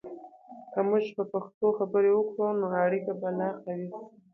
که موږ په پښتو خبرې وکړو، نو اړیکې به لا قوي سي.